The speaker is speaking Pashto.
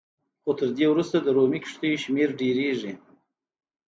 خو تر دې وروسته د رومي کښتیو شمېر ډېرېږي